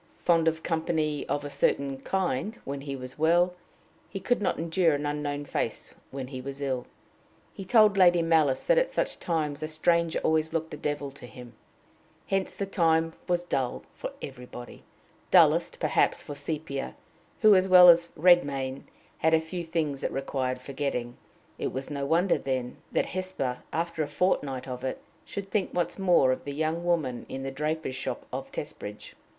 Fond of company of a certain kind when he was well, he could not endure an unknown face when he was ill. He told Lady Malice that at such times a stranger always looked a devil to him. Hence the time was dull for everybody dullest, perhaps, for Sepia, who, as well as Redmain, had a few things that required forgetting. It was no wonder, then, that Hesper, after a fort night of it, should think once more of the young woman in the draper's shop of Testbridge.